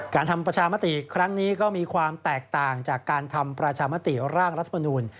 ทำประชามติครั้งนี้ก็มีความแตกต่างจากการทำประชามติร่างรัฐมนูล